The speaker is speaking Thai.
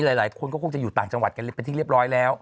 หลายคนก็คงจะอยู่ต่างจังหวัดกันเป็นที่เรียบร้อยแล้ว